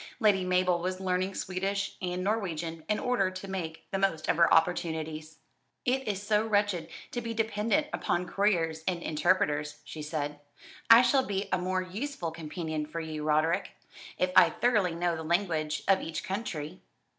Lady Mabel was learning Swedish and Norwegian, in order to make the most of her opportunities. "It is so wretched to be dependent upon couriers and interpreters," she said. "I shall be a more useful companion for you, Roderick, if I thoroughly know the language of each country."